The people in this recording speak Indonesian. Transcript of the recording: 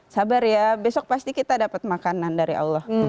sabar ya besok pasti kita dapat makanan dari allah